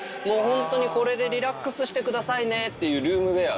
もうホントにこれでリラックスしてくださいねっていう。